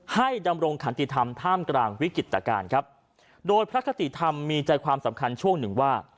ดำรงขันติธรรมท่ามกลางวิกฤตการณ์ครับโดยพระคติธรรมมีใจความสำคัญช่วงหนึ่งว่า